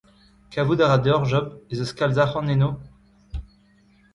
Kavout a ra deoc’h, Job, ez eus kalz arc’hant eno ?